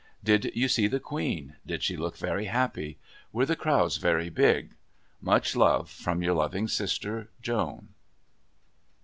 Did you see the Queen? Did she look very happy? Were the crowds very big? Much love from your loving sister, JOAN.